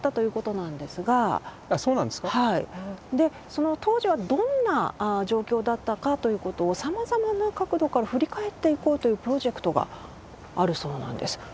その当時はどんな状況だったかということをさまざまな角度から振り返っていこうというプロジェクトがあるそうなんです。